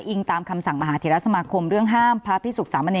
อิงตามคำสั่งมหาธิรัฐสมาคมเรื่องห้ามพระพิศุกษามาเนียน